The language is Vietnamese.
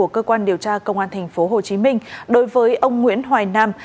cơ quan điều tra công an tp hcm đối với ông nguyễn hoài nam